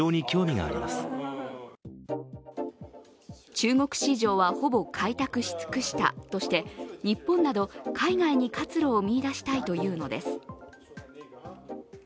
中国市場はほぼ開拓し尽くしたとして日本など海外に活路を見出したいというのです。